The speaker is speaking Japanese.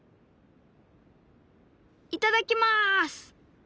いただきます！